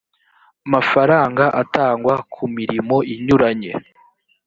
mafaranga atangwa ku mirimo inyuranye